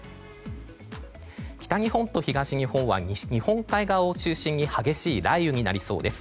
北日本と東日本は日本海側を中心に激しい雷雨になりそうです。